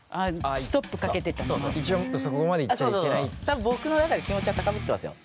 多分僕の中で気持ちは高ぶってますよ。